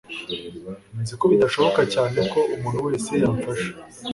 Nzi ko bidashoboka cyane ko umuntu wese yamfasha.